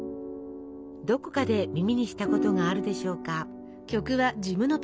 どこかで耳にしたことがあるでしょうか？